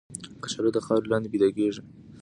کچالو د خاورې لاندې پیدا کېږي